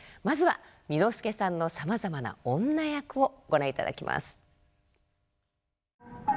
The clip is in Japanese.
まずは簑助さんのさまざまな女役をご覧いただきます。